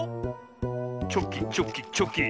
チョキチョキチョキ。